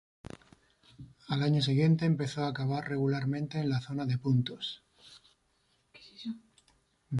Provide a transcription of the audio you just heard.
Al año siguiente empezó a acabar regularmente en la zona de puntos.